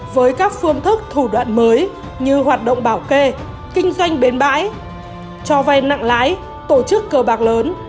với các phương thức thủ đoạn mới như hoạt động bảo kê kinh doanh bến bãi cho vay nặng lãi tổ chức cờ bạc lớn